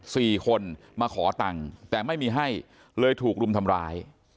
สี่คนมาขอตังค์แต่ไม่มีให้เลยถูกรุมทำร้าย